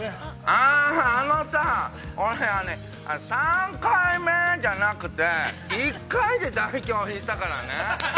◆ああ、あのさあ、俺はね、３回目じゃなくて、１回で大凶、引いたからね。